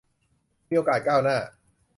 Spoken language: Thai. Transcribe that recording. มีโอกาสก้าวหน้า